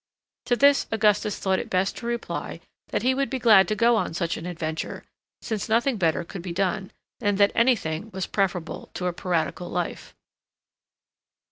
To this Augustus thought it best to reply that he would be glad to go on such an adventure, since nothing better could be done, and that any thing was preferable to a piratical life.